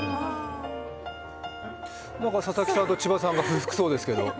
佐々木さんと千葉さんが不服そうですけど。